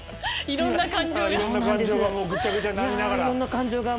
いろんな感情が。